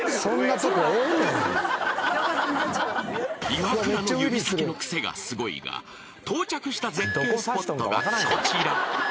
［イワクラの指先のクセがスゴいが到着した絶景スポットがこちら］